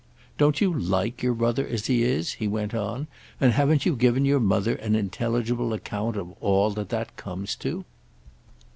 Don't you like your brother as he is," he went on, "and haven't you given your mother an intelligible account of all that that comes to?"